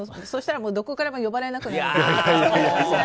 そしたらどこからも呼ばれなくなる。